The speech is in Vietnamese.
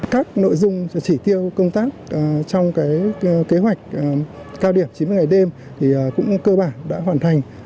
các nội dung chỉ tiêu công tác trong kế hoạch cao điểm chín mươi ngày đêm thì cũng cơ bản đã hoàn thành